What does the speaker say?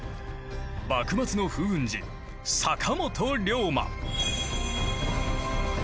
幕末の風雲児坂本龍馬。